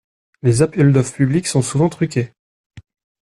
Les appels d'offre publics sont souvent truqués.